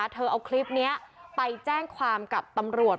เธอเอาคลิปนี้ไปแจ้งความกับตำรวจ